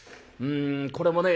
これもね